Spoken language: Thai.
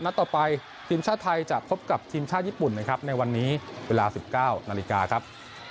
ต่อไปทีมชาติไทยจะพบกับทีมชาติญี่ปุ่นนะครับในวันนี้เวลา๑๙นาฬิกาครับ